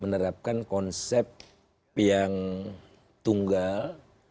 menerapkan konsep yang tunggal